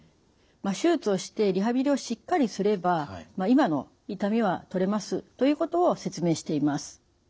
手術をしてリハビリをしっかりすれば今の痛みはとれますということを説明しています。